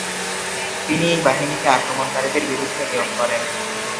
তিনি এই বাহিনীকে আক্রমনকারীদের বিরুদ্ধে নিয়োগ করেন।